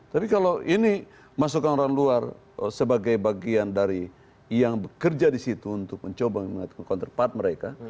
tapi kalau ini masukkan orang luar sebagai bagian dari yang bekerja di situ untuk mencoba melakukan counterpart mereka